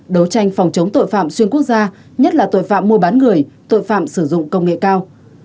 đấu tranh phòng chống tội phạm xuyên quốc gia nhất là tội phạm mua bán người tội phạm sử dụng công nghệ cao